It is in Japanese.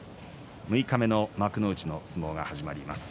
六日目の幕内の相撲が始まります。